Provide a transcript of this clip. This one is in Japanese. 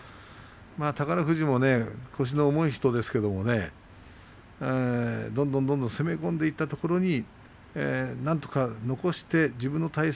宝富士も腰の重い人ですけれどもどんどんどんどん攻め込んでいったところなんとか残して自分の体勢